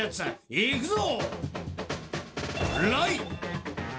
いくぞ！